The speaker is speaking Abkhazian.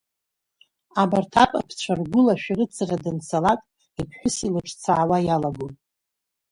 Абарҭ апапцәа ргәыла шәарыцара данцалак, иԥҳәыс илыҿцаауа иалагон.